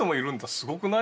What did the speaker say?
すごくない？